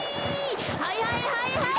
はいはいはいはい！